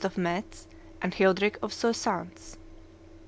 of Metz; and Childeric, of Soissons.